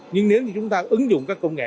nhưng nếu như chúng ta ứng dụng các công nghệ